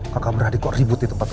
kakak beradik kok ributi tempat itu